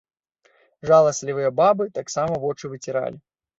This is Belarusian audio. Жаласлівыя бабы таксама вочы выціралі.